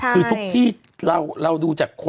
คือทุกที่เราดูจากคน